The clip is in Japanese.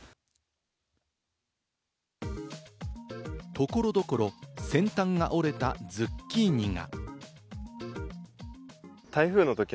所々、先端が折れたズッキーニが。